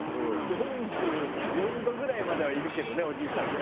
４４度ぐらいまではいるけどねおじいさんで。